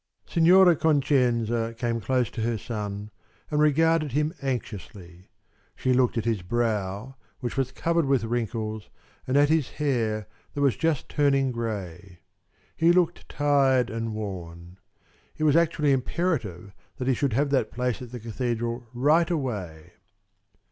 Signora Concenza came close to her son and regarded him anxiously. She looked at his brow, which was covered with wrinkles, and at his hair that was just turning gray. He looked tired and worn. It was actually imperative that he should have that place at the cathedral right away.